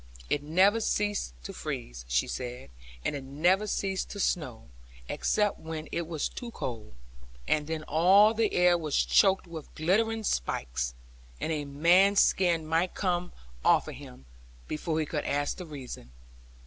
It never ceased to freeze, she said; and it never ceased to snow; except when it was too cold; and then all the air was choked with glittering spikes; and a man's skin might come off of him, before he could ask the reason.